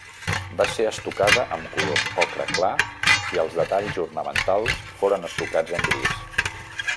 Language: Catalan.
Va ser estucada amb colors ocre clar i els detalls ornamentals foren estucats en gris.